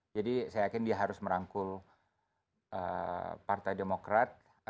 jadi saya yakin dia harus merangkul partai demokrat